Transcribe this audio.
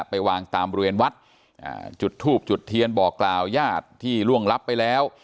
ไปวางตามรุนวัดอ่าจุดทูบจุดเทียนบ่อกล่าวยาธิที่ล่วงรับไปแล้ว